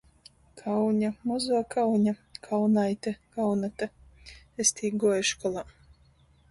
Kauņa, Mozuo Kauņa, Kaunaite, Kaunata. Es tī guoju školā.